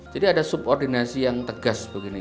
jadi ada subordinasi yang tegas